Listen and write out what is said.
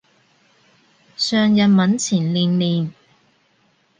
上日文前練練